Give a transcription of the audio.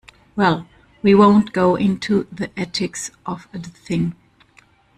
Well, we won't go into the ethics of the thing.